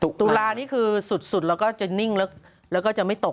ตุลานี่คือสุดแล้วก็จะนิ่งแล้วก็จะไม่ตก